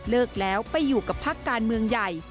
แล้วไปอยู่กับพักการเมืองใหญ่